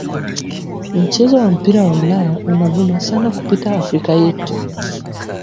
Mchezo wa mpira wa ulaya una vuma sana kupita africa yetu